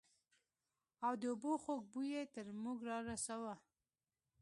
او د اوبو خوږ بوى يې تر موږ رارساوه.